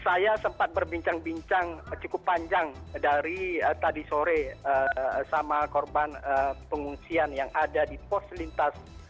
saya sempat berbincang bincang cukup panjang dari tadi sore sama korban pengungsian yang ada di pos lintas